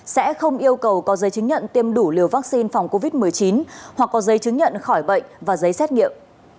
sẽ không yêu cầu có giấy chứng nhận tiêm đủ liều vaccine phòng covid một mươi chín hoặc có giấy chứng nhận khỏi bệnh và giấy xét nghiệm